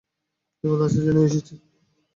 বিপদ আছে জেনেই এসেছি।